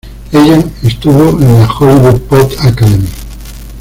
Ella estuvo en la Hollywood Pop Academy.